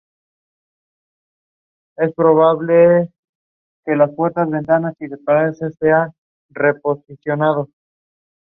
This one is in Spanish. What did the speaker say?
La iglesia está dedicada a santa Juliana.